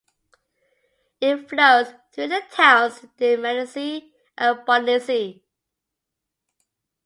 It flows through the towns Dmanisi and Bolnisi.